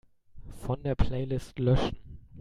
Von der Playlist löschen.